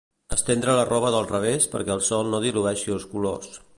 Estendre la roba del revés perquè el Sol no dilueixi els colors